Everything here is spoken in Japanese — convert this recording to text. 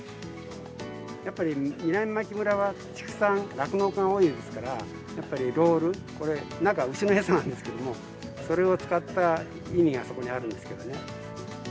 やっぱり南牧村は、畜産、酪農家が多いですから、やっぱりロール、これ、中、牛の餌なんですけど、それを使った意味がそこにあるんですけどね。